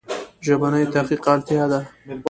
ژبني تحقیق ته اړتیا ده.